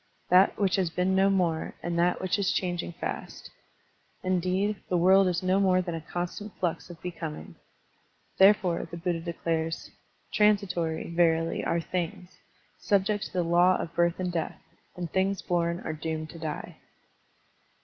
That which has been is no more, and that which is is changing Digitized by Google THE SUPRA PHENOMENAL II5 fast. Indeed, the world is no more than a con stant fltix of becoming. Therefore, the Buddha declares: "Transitory, verily, are things, sub ject to the law of birth and death; and things bom are doomed to die."